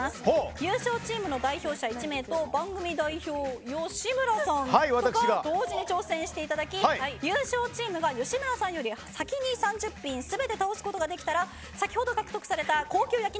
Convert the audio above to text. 優勝チームの代表者１名と番組代表、吉村さんが同時に挑戦してもらい優勝チームが吉村さんより先に３０ピン全て倒すことができたら先ほど獲得された高級焼肉